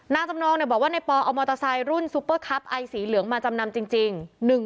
จำนองบอกว่าในปอเอามอเตอร์ไซค์รุ่นซุปเปอร์คับไอสีเหลืองมาจำนำจริง